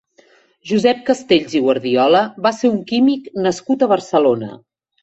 Josep Castells i Guardiola va ser un químic nascut a Barcelona.